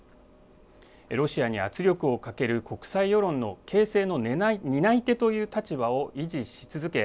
ロシアに圧力をかける国際世論の形成の担い手という立場を維持し続け